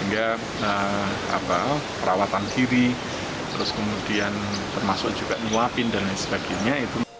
sehingga perawatan kiri terus kemudian termasuk juga nyuapin dan lain sebagainya